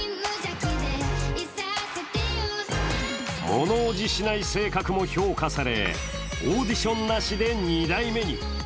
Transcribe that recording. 物おじしない性格も評価され、オーディションなしで２代目に。